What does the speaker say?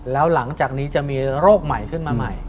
แล้วหลังจากนี้จะมีโรคใหม่ขึ้นมาใหม่